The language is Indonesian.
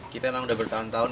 kita memang udah bertahun tahun